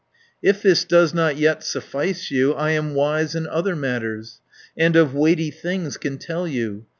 "If this does not yet suffice you, I am wise in other matters, And of weighty things can tell you.